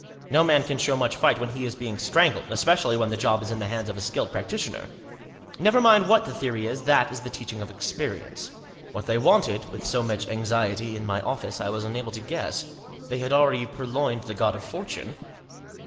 No man can show much fight when he is being strangled ; especially when the job is in the hands of a skilled practitioner. Never mind what the theory is, that is the teaching of experience. What they wanted, with so much anxiety, in my office, I was unable to guess. They had already pur loined the God of Fortune.